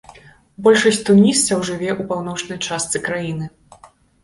Большасць тунісцаў жыве ў паўночнай частцы краіны.